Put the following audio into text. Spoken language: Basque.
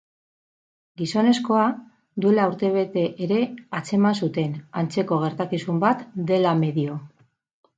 Gizonezkoa duela urtebete ere atzeman zuten, antzeko gertakizun bat dela medio.